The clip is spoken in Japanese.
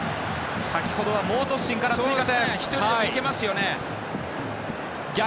先ほどは猛突進から追加点。